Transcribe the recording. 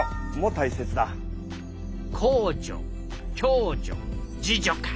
公助共助自助か。